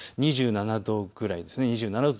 ２７度くらいです。